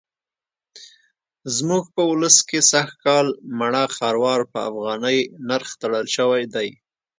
زموږ په ولس کې سږکال مڼه خروار په افغانۍ نرخ تړل شوی دی.